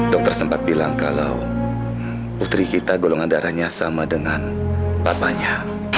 dokter sempat bilang kalau putri kita golongan darahnya sama dengan papanya